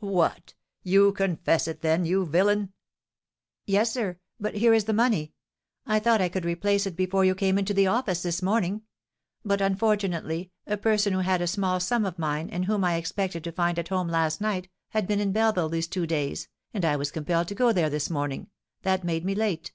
'What! you confess it, then, you villain?' 'Yes, sir; but here is the money; I thought I could replace it before you came into the office this morning; but, unfortunately, a person who had a small sum of mine, and whom I expected to find at home last night, had been at Belleville these two days, and I was compelled to go there this morning; that made me late.